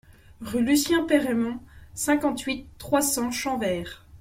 Rue Lucien Perreimond, cinquante-huit, trois cents Champvert